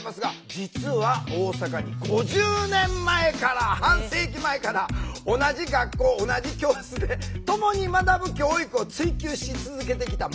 実は大阪に５０年前から半世紀前から同じ学校同じ教室でともに学ぶ教育を追求し続けてきた町があるんです。